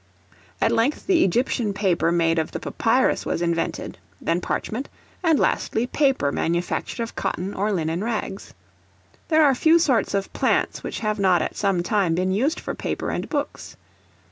At length the Egyptian paper made of the papyrus, was invented; then parchment; and lastly, paper manufactured of cotton or linen rags. There are few sorts of plants which have not at some time been used for paper and books.